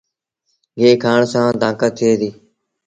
گيه کآڻ سآݩ تآݩڪت ٿئي ديٚ۔